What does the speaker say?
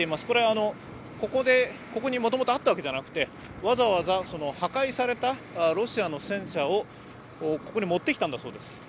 これ、ここにもともとあったわけじゃなくて、わざわざ破壊されたロシアの戦車をここに持ってきたんだそうです。